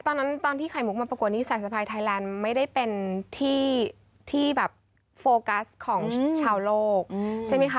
ตอนที่ไข่มุกมาประกวดนิสัยสะพายไทยแลนด์ไม่ได้เป็นที่แบบโฟกัสของชาวโลกใช่ไหมคะ